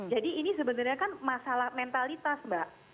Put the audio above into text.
jadi ini sebenarnya kan masalah mentalitas mbak